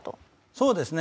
そうですね。